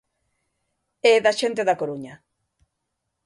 É da xente da Coruña.